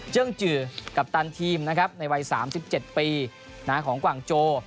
เจิ้งจือกัปตันทีมนะครับในวัย๓๗ปีของกว่างโจ